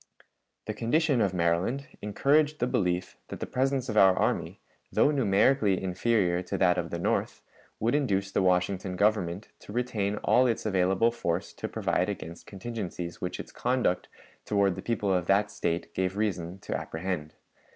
The condition of Maryland encouraged the belief that the presence of our army, though numerically inferior to that of the North, would induce the Washington Government to retain all its available force to provide against contingencies which its conduct toward the people of that State gave reason to apprehend.